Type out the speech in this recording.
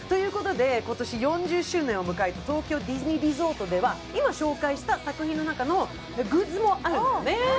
今年４０周年を迎える東京ディズニーリゾートでは今、紹介した作品の中のグッズもあるんだよね。